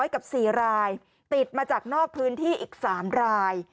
กับ๔รายติดมาจากนอกพื้นที่อีก๓ราย